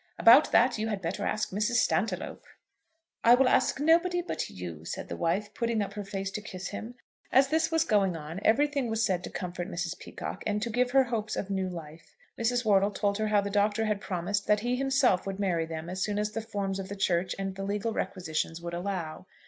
About that you had better ask Mrs. Stantiloup." "I will ask nobody but you," said the wife, putting up her face to kiss him. As this was going on, everything was said to comfort Mrs. Peacocke, and to give her hopes of new life. Mrs. Wortle told her how the Doctor had promised that he himself would marry them as soon as the forms of the Church and the legal requisitions would allow.